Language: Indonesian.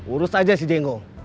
urus aja si dengo